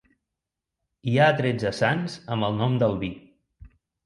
Hi ha tretze sants amb el nom d'Albí.